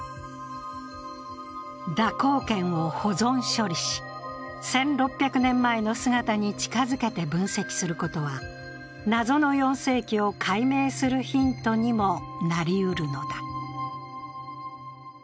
蛇行剣を保存処理し、１６００年前の姿に近づけて分析することは謎の４世紀を解明するヒントにもなりうるのだ。